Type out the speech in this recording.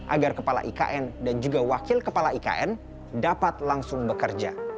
agar kepala ikn dan juga wakil kepala ikn dapat langsung bekerja